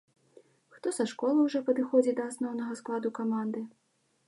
Хто са школы ўжо падыходзіць да асноўнага складу каманды.